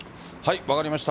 分かりました。